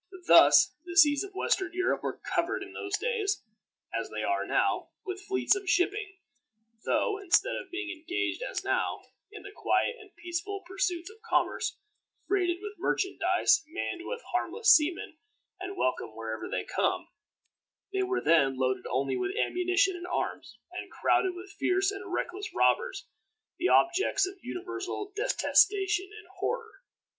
Thus the seas of western Europe were covered in those days, as they are now, with fleets of shipping; though, instead of being engaged as now, in the quiet and peaceful pursuits of commerce, freighted with merchandise, manned with harmless seamen, and welcome wherever they come, they were then loaded only with ammunition and arms, and crowded with fierce and reckless robbers, the objects of universal detestation and terror.